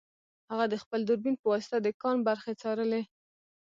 هغه د خپل دوربین په واسطه د کان برخې څارلې